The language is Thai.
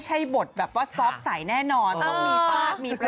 ชัวร์เลยใช่ไหมคะ